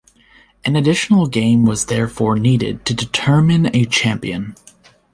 An additional game was therefore needed to determine a champion.